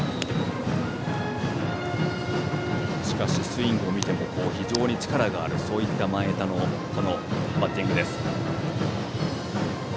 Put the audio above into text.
スイングを見ても非常に力があるそういった前田のバッティングです。